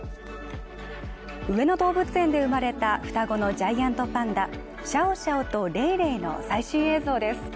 上野動物園で生まれた双子のジャイアントパンダ、シャオシャオとレイレイの最新映像です。